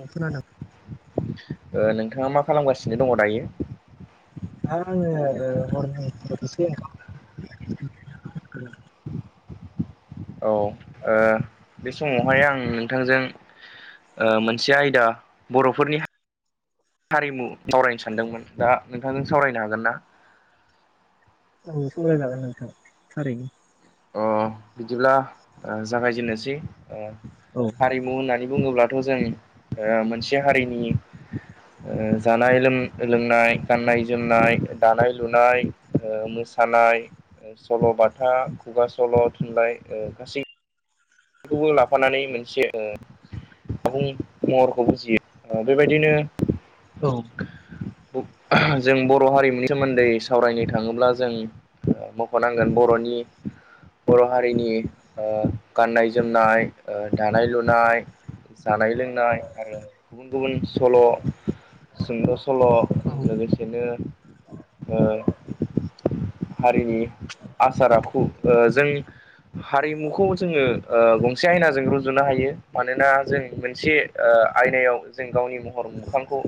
औ खानादों। ओ नोंथाङा मा खालामगासिनो दङ दायो? आङो हरनि खेबसे ओंखाम [inaudible] औ ओ बे समावहाय आं नोंथांजों ओ मोनसे आयदा बर'फोरनि हारिमु सावरायनो सानदोंमोन दा नोंथांजों सावरायनो हागोन ना? औ संलाय लागोन नोंथां थारैनो अ बिदिब्ला जागायजेनोसै औ हारिमु होननानै बुङोब्लाथ' जों मोनसे हारिनि ओ जानाय लों-लोंनाय गाननाय जोमनाय दानाय लुनाय ओ मोसानाय सल' बाथा खुगा सल' थुनलाइ ओ गासै बेखौबो लाफानानै मोनसे ओ आबुं महरखौ बुजियो बेबायदिनो औ। जों बर' हारिमुनि सोमोन्दै सावरायनो थाङोब्ला जों मख'नांगोन बर'नि बर' हारिनि गाननाय जोमनाय दानाय लुनाय जानाय लोंनाय आरो गुबुन गुबुन सल' सुंद' सल' औ लोगोसेनो हारिनि आसार आखु ओ जों हारिमुखौ जोङो ओ गंसे आयनाजों रुजुनो हायो मानोना जों मोनसे ओ आयनायाव जों गावनि महर मोखांखौ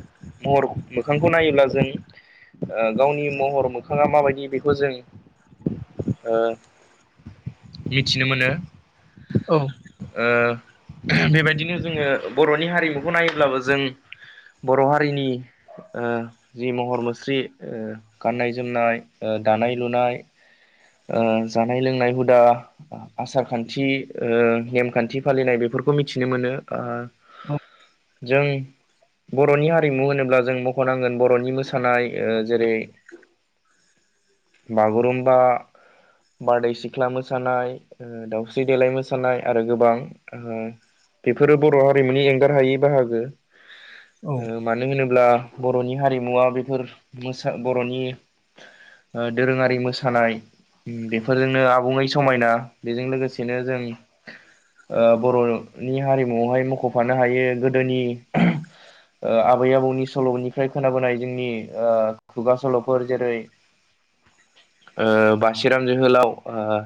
महर मोखांखौ नायोब्ला जों ओ गावनि महर मोखाङा माबायदि बेखौ जों ओ मिथिनो मोनो औ। ओ बेबायदिनो जोङो बर'नि हारिमुखौ नायोब्लाबो जों बर' हारिनि ओ जि महर मुस्रि ओ गाननाय जोमनाय ओ दानाय लुनाय ओ जानाय लोंनाय हुदा आसार खान्थि ओ नेमखान्थि फालिनाय बेफोरखौ मिथिनो मोनो। ओ जों बर'नि हारिमु होनोब्ला जों मख'नांगोन बर'नि मोसानाय ओ जेरै बागुरुमबा, बारदै सिख्ला मोसानाय ओ दाउ स्रि देलाय मोसानाय आरो गोबां बेफोरो बर' हारिमुनि एंगार हायि बाहागो। औ ओ मानो होनोब्ला बर'नि हारिमुवा बेफोर मोसा बर'नि ओ दोरोङारि मोसानाय बेफोरजोंनो आबुङै समायना बेजों लोगोसे बिदिनो जों ओ बर'नि हारिमुआवहाय मख'फानो हायो गोदोनि ओ आबै आबौनि सल'निफ्राय खोनाबोनाय जोंनि ओ खुगा सल'फोर जेरै ओ बासिराम जोहोलाव ओ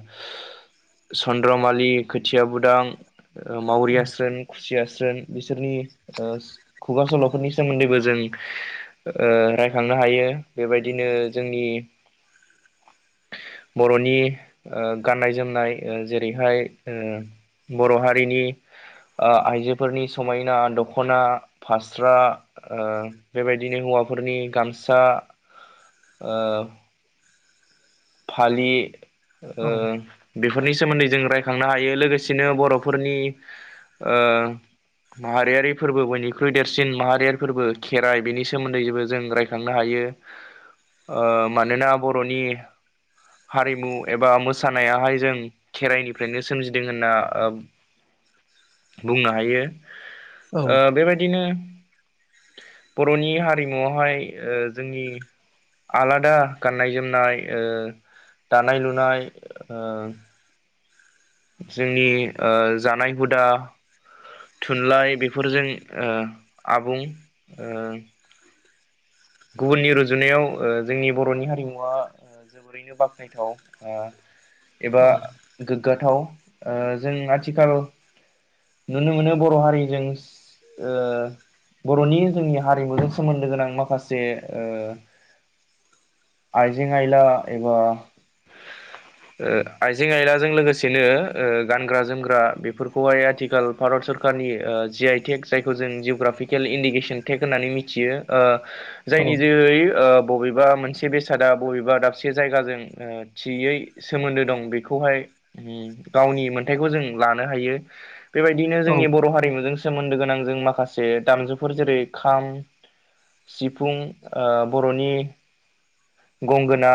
चन्द्रमालि, खोथिया बुदां, मावरियास्रोन, खुसियास्रोन बिसोरनि ओ खुगा सल'फोरनि सोमोन्दैबो जों ओ रायखांनो हायो बेबायदिनो जोंनि बर'नि ओ गाननाय जोमनाय जेरैहाय ओ बर' हारिनि ओ आइजोफोरनि समायना दख'ना फास्रा ओ बेबायदिनो हौवाफोरनि गामसा ओ फालि ओ बेफोरनि सोमोन्दै जों रायखांनो हायो लोगोसेनो बर'फोरनि ओ माहारियारि फोर्बो बयनिख्रुइ देरसिन माहारियारि फोरबो खेराइ बेनि सोमोन्दै जेबो जों राय खांनो हायो। ओ मानोना बर'नि हारिमु एबा मोसानायाहाय जों खेराइनिफ्रायनो सोमजिदों होनना ओ बुंनो हायो। औ ओ बेबायदिनो बर'नि हारिमुआवहाय ओ जोंनि आलादा गाननाय जोमनाय ओ दानाय लुनाय ओ जोंनि ओ जानाय हुदा थुनलाइ बेफोरजों ओ आबुं ओ गुबुननि रुजुनायाव ओ जोंनि बर'नि हारिमुवा जोबोरैनो बाखनायथाव ओ एबा गोग्गाथाव जों आथिखाल नुनो मोनो बर' हारिजों ओ बर'नि जोंनि हारिमुजों सोमोन्दो गोनां माखा जे ओ आइजें आयला एबा [inaudible] ओ आइजें आइलाजों लोगोसेनो ओ गानग्रा जोमग्रा बेफोरखौहाय आथिखाल भारत सर खारनि जि आइ टेक जायखौ जों जुग्राफिकेल इन्डिकेसन टेक होननानै मिथियो ओ जायनि जोहै ओ बबेबा मोनसे बेसादा बबेबा दाबसे जायगाजों ओ थियै सोमोन्दो दं बेखौहाय उम गावनि मोनथाइखौ जों लानो हायो बेबायदिनो जोंनि बर' हारिमुजों सोमोन्दो गोनां जों माखासे दामजुफोर जेरै खाम सि फुं ओ बर'नि गंगोना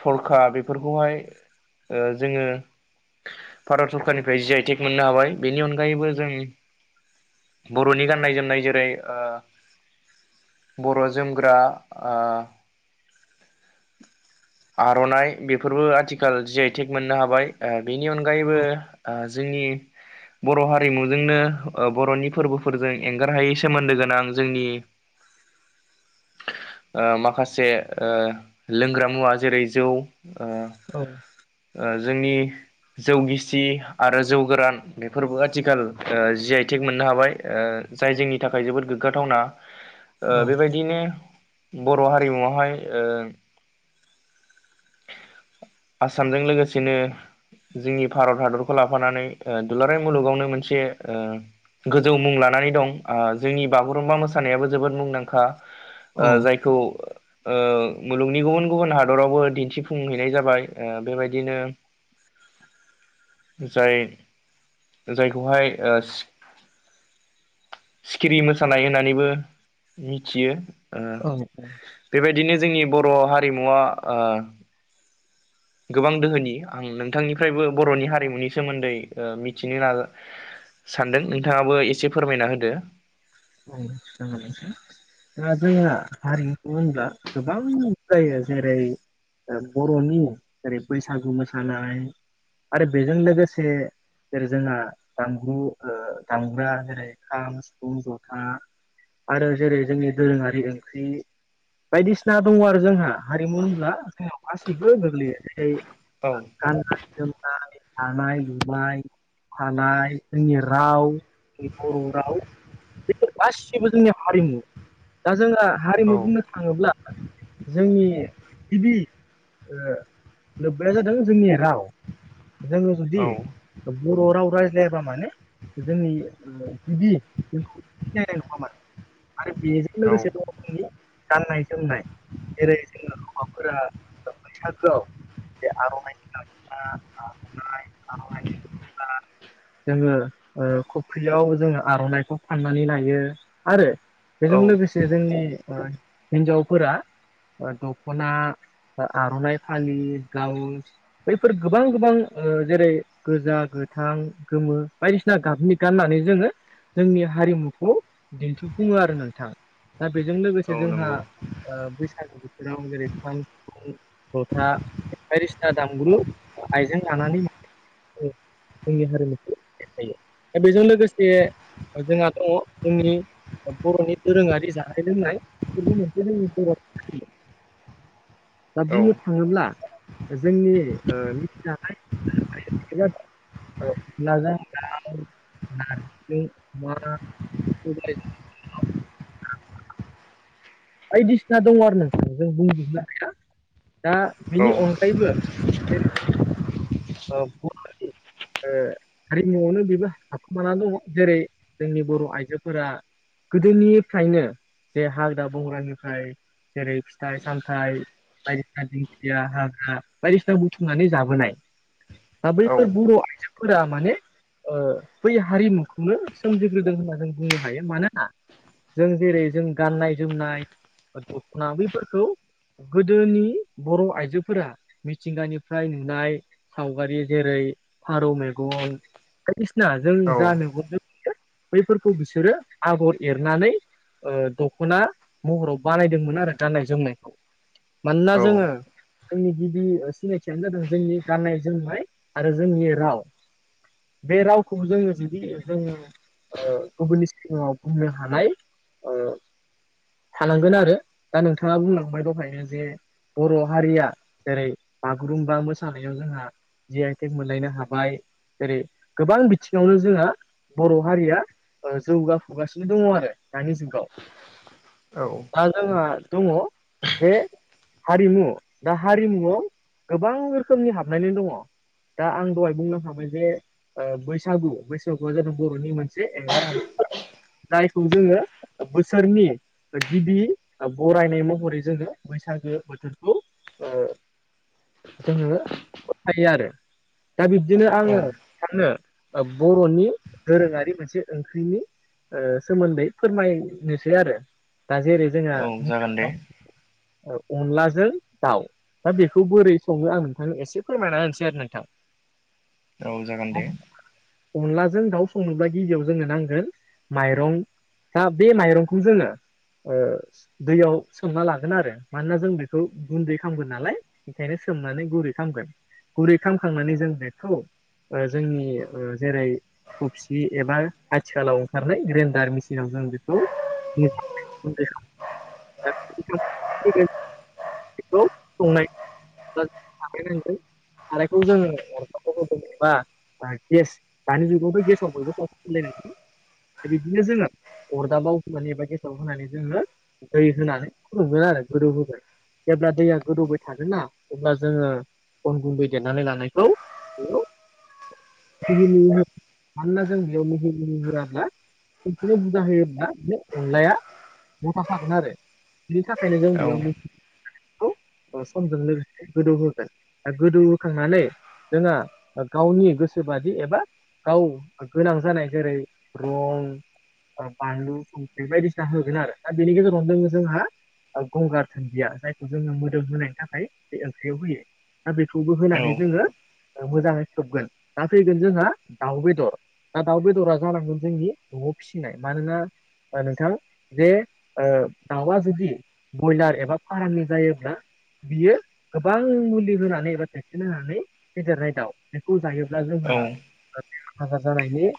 थरखा बेफोरखौहाय ओ जोङो भारत सरकारनिफ्राय जि आइ टेग मोननो हाबाय बेनि अनगायैबो जों बर'नि गाननाय जोमनाय जेरै ओ बर' जोमग्रा ओ [inaudible] आर'नाइ बेफोरबो आथिखाल जि आइ टेग मोननो हाबाय ओ बेनि अनगायैबो ओ जोंनि बर' हारिमुजोंनो ओ बर'नि फोरबोफोरजों एंगार हायै सोमोन्दो गोनां जोंनि ओ माखा से ओ लोंग्रा मुवा जेरै जौ ओ ओ जोंनि जौ गिसि आरो जौ गोरान बेफोरबो आथिखाल ओ जि आइ टेग मोननो हाबाय जाय जोंनि थाखाय जोबोद गोग्गाथावना ओ बेबायदिनो बर' हारिमुवावहाय ओ आसामजों लोगोसेनो जोंनि भारत हादरखौ लाफानानै ओ दुलाराय मुलुगावनो मोनसे ओ गोजौ मुं लानानै दं आ जोंनि बागुरुमबा मोसानायाबो जोबोद मुंदांखा औ ओ जायखौ ओ मुलुगनि गुबुन गुबुन हादरावबो दिन न्थिफुंहैनाय जाबाय ओ बेबायदिनो जाय जायखौहाय ओ सि सिखिरि मोसानाय होननानैबो मिथियो। ओ जागोन बेबायदिनो जोंनि बर' हारिमुवा ओ गोबां दोहोनि आं नोंथांनिफ्रायबो बर'नि हारिमुनि सोमोन्दै ओ मिथिनो नाजा सानदों नोंथाङाबो एसे फोरमायना होदो औ जागोन नोंथां दा जोंहा हारिखौ होनब्ला गोबां जायो जेरै ओ बर'नि जेरै बैसागु मोसानाय आरो बेजों लोगोसे जेरै जोंहा दामग्रु ओ दामग्रा जेरै खाम सिफुं ज था आरो जेरै जोंनि दोरोङारि ओंख्रि बायदिसिना दङ आरो जोंहा हारिमु होनब्ला जोंनाव गासैबो गोग्लैयो जेरै औ गानाय जोमनाय दानाय लुबाय थानाय जोंनि राव बर' राव बेफोर गासिबो जोंनि हारिमु दा जोना हारिमु औ बुंनो थाङोब्ला जोंनि गिबि ओ लोब्बाया जादों जोंनि राव जोङो जुदि औ बर' राव रायज्लायाबा माने जोंनि गिबि सिनायनाय नङामोन आरो बेजों लोगोसे औ दङ जोंनि गाननाय-जोमनाय जेरै जोङो हौवाफोरा बैसागोआव बे आर'नाय लाबा आर'नाय आर'नायनि जोङो ओ खफ्रियाव जोङो आर'नाइखौ फाननानै नाय थायो आरो औ बेजों लोगोसे जोंनि ओ हिनजावफोरा ओ दख'ना आर'नाइ फालि ब्लाउस बैफोर गोबां गोबां ओ जेरै गोजा गोथां गोमो बायदिसिना गाबनि गाननानै जोङो जोंनि हारिमु खौ दिन्थिफुङो आरो नोंथां दा बेजों लोगोसे औ जोंहा नंगौ ओ बैसागु बोथोराव जेरै खाम जथा बायदिसिना दामग्रु आइजें लानानै जोंनि हारिमुखौ थायो दा बेजों लोगोसे जोंहा दङ। जोंनि बर'नि दोरोङारि जानाय-लोंनाय बेफोरबो मोनसे जोंनि बर' [unintelligible] दा बुंनो थाङोब्ला जोंनि ओ मिथिजानाय [unintelligible] [unintelligible] बायदिसिना दङ आरो नोंथां जों बुंजोबनो हाया दा औ बेनि अनगायैबो ओ बर' रावनि ओ हारिमुआवनो बेबो हाबखुमानानानै दङ जेरै जोंनि बर' आइजोफोरा गोदोनिफ्रायनो जे हाग्रा-बंग्रानिफ्राय जेरै फिथाइ-सामथाइ बायदिसिना दिंखिया हाग्रा बायदिसिना बुथुमनानै जाबोनाय। दा बैफोर बर' आइजोफोरा माने ओ बै हारिमुखौनो सोमजिग्रोदों होनना जों बुंनो हायो मानोना जों जेरै जों गाननाय-जोमनाय दखना बेैफोरखौ गोदोनि बर' आइजोफोरा मिथिंगानिफ्राय नुनाय सावगारि जेरै फारौ मेगन बायदिसिना जों औ जा मेगनजों बैफोरखौ बिसोरो आगर एरनानै ओ दख'ना महराव बानायदोंमोन आरो गाननाय-जोमनायखौ मानोना औ जोङो जोंनि गिबि सिनायथियानो जादों जोंनि गाननाय जोमनाय आरो जोंनि राव बे रावखौ जोङो जुदि जोङो ओ गुबुननि सिगाङाव बुंनो हानाय ओ थानांगोन आरो दा नोंथाङा बुंलांबाय दहायनो जे बर' हारिया जेरै बागुरुम्बा मोसानायाव जोंहा जि आइटेक मोनलायनो हाबाय जेरै गोबां बिथिङावनो जोंहा बर' हारिया ओ जौगाफुगासिनो दङ आरो दानि जुगाव। औ दा जोंहा दङ बे हारिमु दा हारिमुआव गोबां रोखोमनि हाबनानै दङ। दा आं दहाय बुंलांखांबाय जे ओ बैसागु बैसागुआ जादों बर'नि मोनसे एंगार हायै फोरबो। जायखौ जोङो बोसोरनि गिबि बरायनाय महरै जोङो बैसागो बोथोरखौ ओ जोङो फोथायो आरो दा बिब्दिनो औ आङो साननो ओ बर'नि दोरोङारि मोनसे ओंख्रिनि ओ सोमोन्दै फोरमायनोसै आरो दा जेरै जोंहा औ जागोन दे अनलाजों दाउ दा बेखौ बोरै सङनो आं नोंथांनो एसे फोरमायना होनसै आरो नोंथां राहुल जा गान्धी अनलाजों दाउ संनोब्ला गिबियाव जोंनो नांगोन माइरं दा बे माइरंखौ जोङो ओ दैयाव सोमना लागोन आरो मानोना जों बेखौ गुन्दै खालामामगोन नालाय ओंखायनो सो सोमनानै गुरै खालामगोन गुरै खालामखांनानै जों बेखौ ओ जोंनि ओ जेरै फफसि एबा आथिखालाव ओंखारनाय ग्रेन्डार मिसिनाव जों बेखौ [inaudible] [inaudible] बेखौ संनाय खारायोन खारायखौ जोङो अर [unintelligible] गेस दानि जगाव गे बिदिनो जोङो अरदाबाव होनोनानै एबा गेसाव होनानै जोङो दै होनानै फुदुंगोन आरो गोदौ होबाय जेब्ला दैया गोदौबाय थागोन ना अब्ला जोङो अन गुन्दै देरनानै लानायखौ बेयाव [unintelligible] मानोना जों बेयावनो [unintelligible] होग्रा आरोना बेखनो बुरजा होयोब्ला बे अनलाया गथा खागोन आरो बेनि थाख ओंखायनो जों औ बेयाव मिहि खामना लानायखौ समजों लोगोसे गोदौहोगोन गोदौ होखांनानै जोंआ गावनि गोसोबादि एबा गाव गोनां जानाय जेरै रं ओ बानलु बे बायदिसिना होगोन आरो दा बेनि गेजेरावनो दङ जोंहा ओ गंगार धोन्दिया जायखौ जोङो मोदोम होनायनि थाखाय बे ओंख्रियाव होयो दा बेखौबो औ होनानै जोङो मोजाङै खोबगोन दा फैगोन जोंहा दाउ बेदर दा दाउ बेदरा जालांगोन जोंनि न'आव फिसिनाय मानोना नोंथां जे दाउआ जुदि ब्रयलार एबा फारामनि जायोब्ला बियो गोबां मुलि होनानै एबा भेक्सिन होनानै फेदेरनाय दाउ बेखौ जायोब्ला औ जोंहा ओ बेराम आजार जानायनि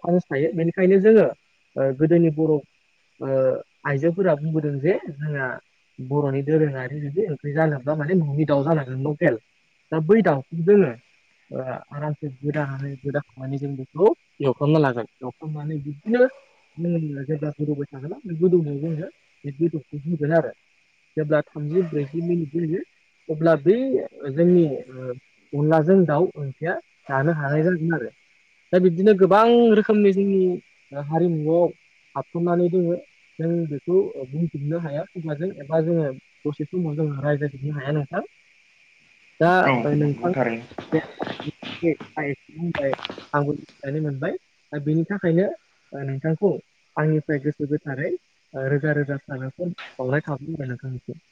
चान्स थायो बेनिखायनो जोङो गोदोनि बर' ओ आइजोफोरा बुंबोदों जे जोंहा बर'नि दोरोङारि जुदि ओंख्रि जानो बा माने न'नि दाउ जानांगोन लकेल दा बै दाउखौ जोङो ओ आरामसे गोदानानै गोदाखांनानै जों बेखौ एवफ्रामना लागोन एवखांनानै बिदिनो मलिया जेब्ला गोदौबाय थागोन ना बे गोदौनायाव जोङो बे गोदौखौ होगोन आरो जेब्ला थामजि ब्रैजि मिनिट होयो अब्ला बे जोंनि अनलाजों दाउ ओंख्रिया जानो हानाय जागोन आरो दा बिब्दिनो गोबां रोखोमनि जोंनि हारिमुआव हाबथ'नानै दोङो जों बेखौ बुंफिननो हाया खगाजों एबा जोङो दसे समाव जोङो राय नो हाया नोंथां दा नंगौ नोंथां थारैनो बे आं इखौ बुंबाय आंबो बुजिनानै मोनबाय दा बेनि थाखायनो ओ नोंथांखौ आंनिफ्राय गोसो गोथारै रोजा रोजा सागाखौ बावनाय थाबाय आरो नोंथांनिसिम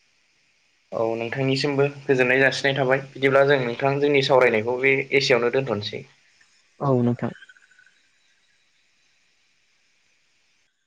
औ नोंथांनिसिमबो गोजोननाय जासिनाय थाबाय बिदिब्ला जों नोंथां जोंनि सावरायनायखौ बे एसेयावनो दोन्थ'नोसै औ नोंथां